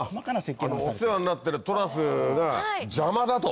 お世話になってるトラスが邪魔だと。